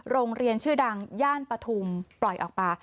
โรงเรียนชื่อดังย่านปฐุมปล่อยออกมา